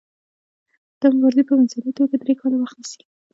دا مبارزې په منځنۍ توګه درې کاله وخت نیسي.